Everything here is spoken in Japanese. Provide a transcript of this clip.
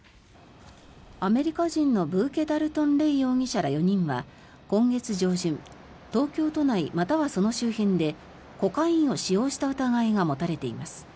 アメリカ人のブーケ・ダルトン・レイ容疑者ら４人は今月上旬、東京都内またはその周辺でコカインを使用した疑いが持たれています。